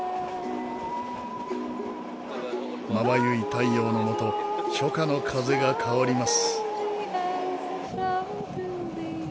まばゆい太陽のもと初夏の風が薫ります。